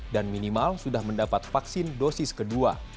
dan minimal sudah mendapat vaksin dosis kedua